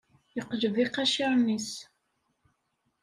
Yeqleb iqaciren-is.